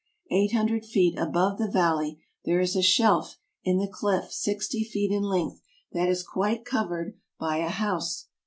Eight hundred feet above the valley there is a shelf in the cliff sixty feet in length that is quite covered by a house.